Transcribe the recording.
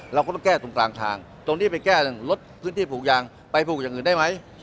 เราก็ต้องแก้ตรงกลางทางตรงนี้ไปแก้เรื่องลดพื้นที่ปลูกยางไปปลูกอย่างอื่นได้ไหม